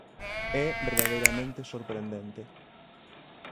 É verdadeiramente sorprendente.